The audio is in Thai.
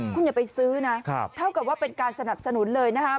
คุณอย่าไปซื้อนะเท่ากับว่าเป็นการสนับสนุนเลยนะครับ